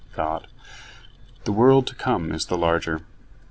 God: "The world to come is the larger."